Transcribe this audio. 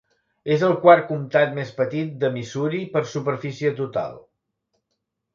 És el quart comtat més petit de Missouri per superfície total.